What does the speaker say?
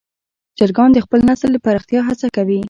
چرګان د خپل نسل د پراختیا هڅه کوي.